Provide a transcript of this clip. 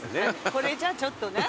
これじゃちょっとね。